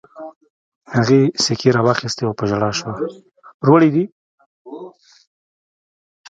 هغې سيکې را واخيستې او په ژړا شوه.